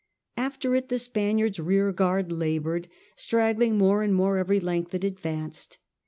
After it the Spaniards' rear guard laboured, straggling more and more every length it advanced.